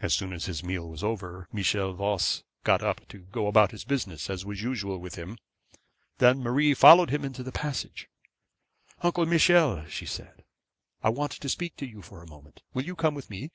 As soon as his meal was over, Michel Voss got up to go out about his business, as was usual with him. Then Marie followed him into the passage. 'Uncle Michel,' she said, 'I want to speak to you for a moment; will you come with me?'